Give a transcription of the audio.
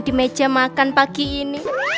di meja makan pagi ini